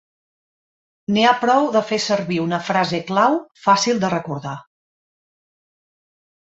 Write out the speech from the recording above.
N'hi ha prou de fer servir una frase clau fàcil de recordar.